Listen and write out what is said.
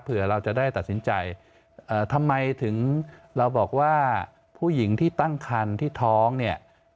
เผื่อเราจะได้ตัดสินใจทำไมถึงเราบอกว่าผู้หญิงที่ตั้งคันที่ท้องเนี่ย